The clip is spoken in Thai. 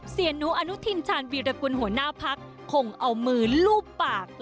เสียหนูอนุทินชาญวีรกุลหัวหน้าพักคงเอามือลูบปาก